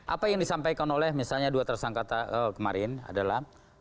apa yang disampaikan oleh misalnya dua tersangka kemarin adalah